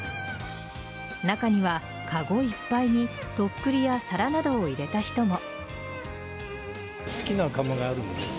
中には籠いっぱいにとっくりや皿などを入れた人も。